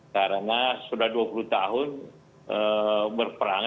karena sudah dua puluh tahun berperang